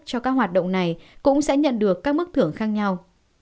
cho các hoạt động này cũng sẽ nhận được các mức thưởng khác nhau